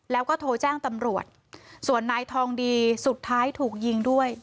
แล้วก็โทรแจ้งตำรวจส่วนนายทองดีสุดท้ายถูกยิงด้วย